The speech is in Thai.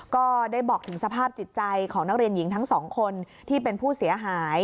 ก็ได้บอกถึงสภาพจิตใจของนักเรียนหญิงทั้งสองคนที่เป็นผู้เสียหาย